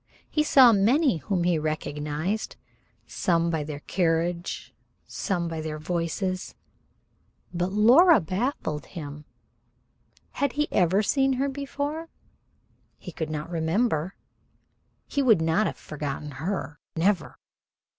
He saw many whom he recognized; some by their carriage, some by their voices, but Laura baffled him. Had he ever seen her before? He could not remember. He would not have forgotten her never.